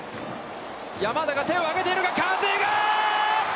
山田が手を挙げているが、風が！